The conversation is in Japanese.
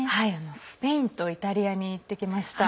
スペインとイタリアに行ってきました。